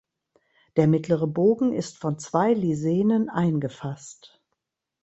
Der mittlere Bogen ist von zwei Lisenen eingefasst.